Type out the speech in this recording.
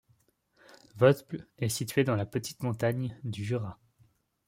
Vosbles est situé dans la Petite Montagne du Jura.